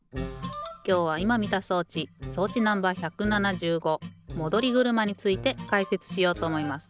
きょうはいまみた装置装置Ｎｏ．１７５戻り車についてかいせつしようとおもいます。